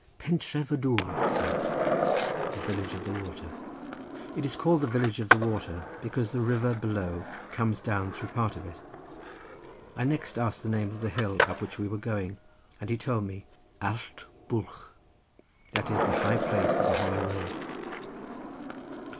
"Pentref y dwr, sir" (the village of the water). It is called the village of the water, because the river below comes down through part of it. I next asked the name of the hill up which we were going, and he told me Allt Bwlch; that is, the high place of the hollow road.